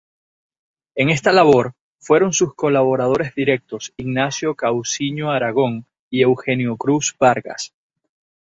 En esta labor fueron sus colaboradores directos Ignacio Cousiño Aragón y Eugenio Cruz Vargas.